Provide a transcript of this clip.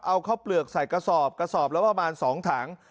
เอาข้าวเปลือกใส่กระสอบกระสอบละประมาณ๒ถัง